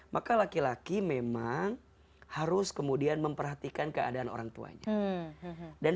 maka laki laki memang harus kemudian memperhatikan keadaan orang tuanya